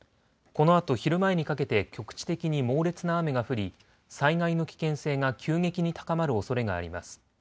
このあと昼前にかけて局地的に猛烈な雨が降り災害の危険性が急激に高まるおそれがあります。